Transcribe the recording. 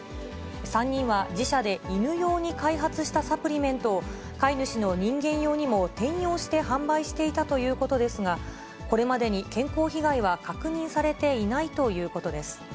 ３人は、自社で犬用に開発したサプリメントを、飼い主の人間用にも転用して販売していたということですが、これまでに健康被害は確認されていないということです。